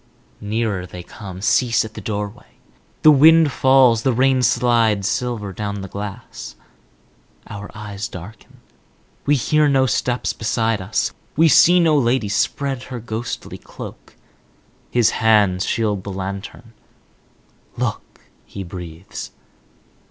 Nearer they come; cease at the doorway. The wind falls, the rain slides silver down the glass. Our eyes darken; we hear no steps beside us; we see no lady spread her ghostly cloak. His hands shield the lantern. "Look," he breathes.